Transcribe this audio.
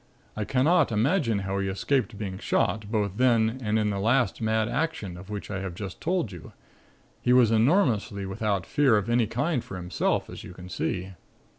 I cannot imagine how he escaped being shot, both then and in the last mad action of which I have just told you. He was enormously without fear of any kind for himself as you can see.